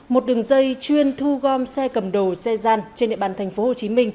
một đường dây chuyên thu gom xe cầm đồ xe gian trên địa bàn tp hcm